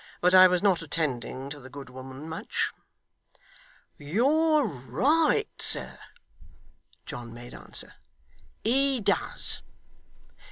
But I was not attending to the good woman much.' 'You're right, sir,' John made answer, 'he does.